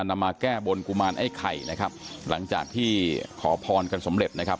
นำมาแก้บนกุมารไอ้ไข่นะครับหลังจากที่ขอพรกันสำเร็จนะครับ